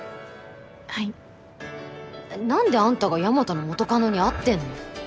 はい何であんたが大和の元カノに会ってんの？